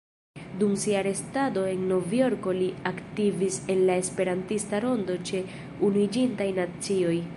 Dum sia restado en Novjorko li aktivis en la Esperantista rondo ĉe Unuiĝintaj Nacioj.